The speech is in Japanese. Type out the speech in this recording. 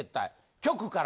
局から。